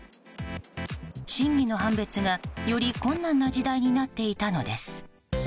真偽の判別が、より困難な時代になっていたのです。